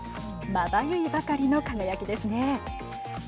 まばゆいばかりの輝きですね。